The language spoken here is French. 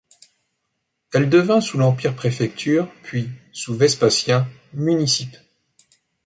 Elle devint sous l'empire préfecture, puis, sous Vespasien, municipe.